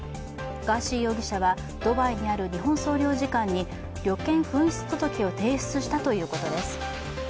ガーシー容疑者はドバイにある日本総領事館に旅券紛失届を提出したということです。